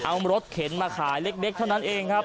เอารถเข็นมาขายเล็กเท่านั้นเองครับ